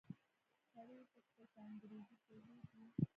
سړي وپوښتل په انګريزي پوهېږې.